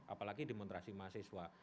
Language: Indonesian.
apalagi demonstrasi mahasiswa